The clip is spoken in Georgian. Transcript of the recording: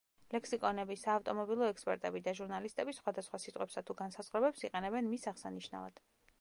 ლექსიკონები, საავტომობილო ექსპერტები და ჟურნალისტები სხვადასხვა სიტყვებსა თუ განსაზღვრებებს იყენებენ მის აღსანიშნავად.